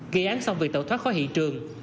gây án xong việc tẩu thoát khỏi hị trường